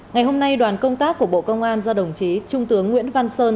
ngày hôm nay đoàn công tác của bộ công an do đồng chí trung tướng nguyễn văn sơn